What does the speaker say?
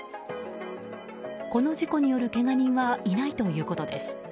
この事故によるけが人はいないということです。